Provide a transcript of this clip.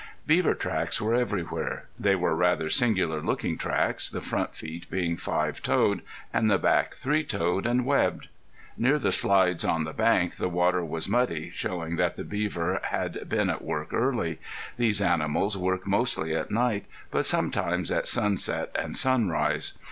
Beaver tracks were everywhere. They were rather singular looking tracks, the front feet being five toed, and the back three toed, and webbed. Near the slides on the bank the water was muddy, showing that the beaver had been at work early. These animals worked mostly at night, but sometimes at sunset and sunrise.